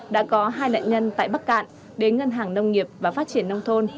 đã có hai nạn nhân tại bắc cạn đến ngân hàng nông nghiệp và phát triển nông thôn